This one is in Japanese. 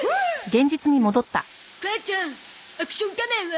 母ちゃんアクション仮面は？